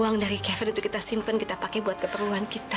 uang dari kever itu kita simpan kita pakai buat keperluan kita